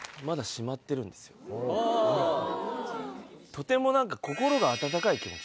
とても何か。